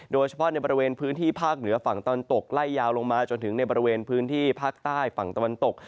โดยเฉพาะในบริเวณพื้นที่ภาคเหนือฝั่งตะวันตกไล่ยาวลงมาจนถึงในบริเวณพื้นที่ภาคใต้ฝั่งตะวันตก